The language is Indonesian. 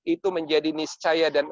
itu menjadi niscaya dan